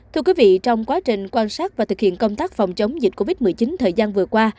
thưa quý vị trong quá trình quan sát và thực hiện công tác phòng chống dịch covid một mươi chín thời gian vừa qua